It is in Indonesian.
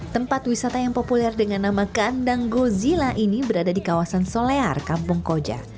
tempat wisata yang populer dengan nama kandang gozila ini berada di kawasan solear kampung koja